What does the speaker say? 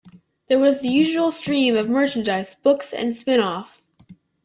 There was the usual stream of merchandise, books and spin-offs.